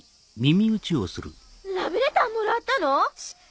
ラブレターもらったの⁉シッ！